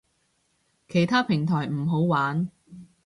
其他平台唔好玩